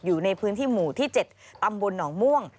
อยู่ในพื้นที่หมู่ที่๗ตำบลหนองม่วง